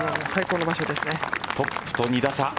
トップと２打差。